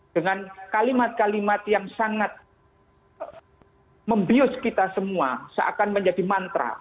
dengan kalimat kalimat yang sangat membius kita semua seakan menjadi mantra